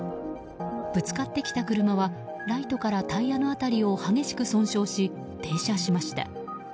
ぶつかってきた車はライトからタイヤの辺りを激しく損傷し停車しました。